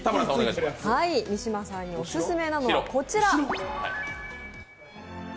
三島さんにオススメなのはこちら。